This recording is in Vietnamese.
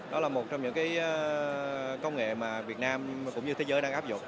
đó là một trong những công nghệ mà việt nam cũng như thế giới đang áp dụng